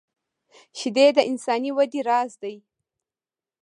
شیدې د انساني وده راز دي